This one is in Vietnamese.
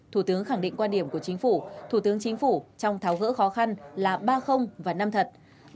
thủ tướng khẳng định quan điểm của chính phủ thủ tướng chính phủ trong tháo gỡ khó khăn là ba và năm thật